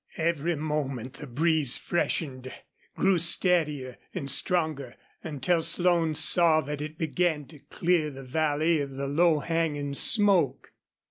Every moment the breeze freshened, grew steadier and stronger, until Slone saw that it began to clear the valley of the low hanging smoke.